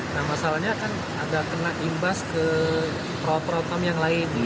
nah masalahnya kan agak kena imbas ke perawat perawat kami yang lain